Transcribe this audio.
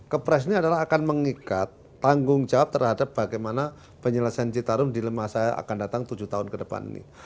kepres ini adalah akan mengikat tanggung jawab terhadap bagaimana penyelesaian citarum di lemah saya akan datang tujuh tahun ke depan ini